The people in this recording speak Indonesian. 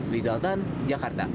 rizal tan jakarta